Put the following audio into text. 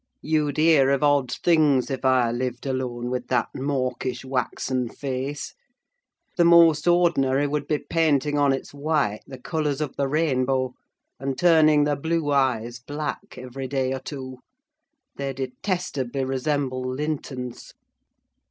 You'd hear of odd things if I lived alone with that mawkish, waxen face: the most ordinary would be painting on its white the colours of the rainbow, and turning the blue eyes black, every day or two: they detestably resemble Linton's."